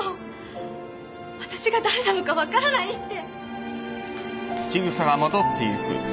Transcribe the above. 私が誰なのか分からないって。